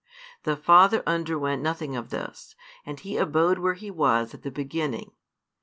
The Father underwent nothing of this, and He abode where He was at the beginning.